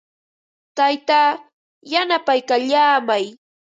Taytaa yanapaykallaamay.